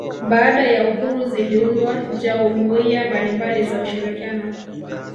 Baada ya uhuru ziliundwa jaumuiya mbalimbali za ushirikiano